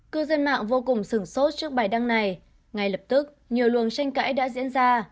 cư dân mạng vô cùng sửng sốt trước bài đăng này ngay lập tức nhiều luồng tranh cãi đã diễn ra